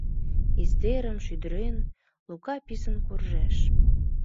Издерым шӱдырен, Лука писын куржеш.